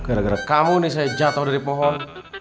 gara gara kamu nih saya jatuh dari pohon